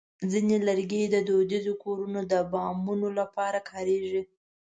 ځینې لرګي د دودیزو کورونو د بامونو لپاره کارېږي.